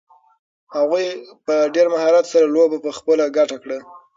هغوی په ډېر مهارت سره لوبه په خپله ګټه کړه.